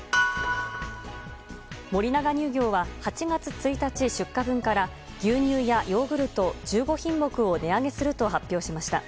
森永乳業は８月１日出荷分から牛乳やヨーグルト１５品目を値上げすると発表しました。